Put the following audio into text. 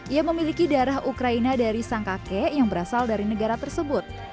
ia memiliki darah ukraina dari sang kakek yang berasal dari negara tersebut